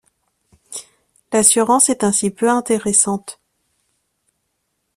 L'assurance est ainsi peu intéressante.